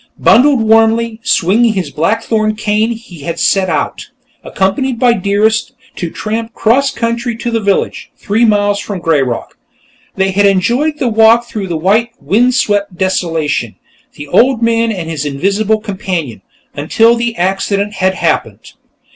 Bundled warmly, swinging his blackthorn cane, he had set out, accompanied by Dearest, to tramp cross country to the village, three miles from "Greyrock." They had enjoyed the walk through the white wind swept desolation, the old man and his invisible companion, until the accident had happened.